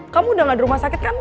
kamu udah gak di rumah sakit kan